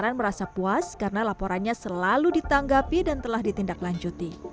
puan merasa puas karena laporannya selalu ditanggapi dan telah ditindaklanjuti